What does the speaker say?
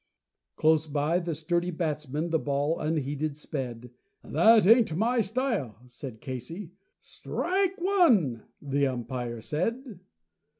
Close by the sturdy batsman the ball unheeded sped "That ain't my style," said Casey. "Strike one," the umpire said.